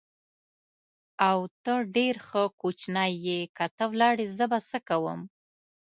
او، ته ډېر ښه کوچنی یې، که ته ولاړې زه به څه کوم؟